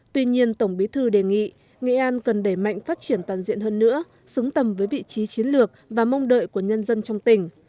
tuy nhiên tổng bí thư đề nghị nghệ an cần đẩy mạnh phát triển toàn diện hơn nữa xứng tầm với vị trí chiến lược và mong đợi của nhân dân trong tỉnh